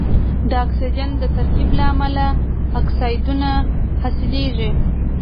د اکسیجن د ترکیب له امله اکسایدونه حاصلیږي.